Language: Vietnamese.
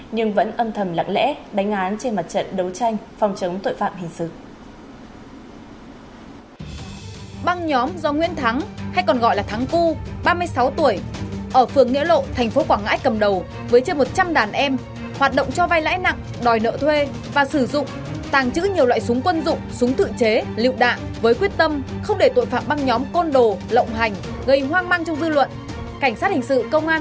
nhưng vẫn âm thầm lặng lẽ đánh án trên mặt trận đấu tranh phòng chống tội phạm hình sự